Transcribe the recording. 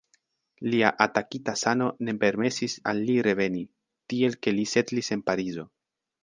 Lia atakita sano ne permesis al li reveni, tiel ke li setlis en Parizo.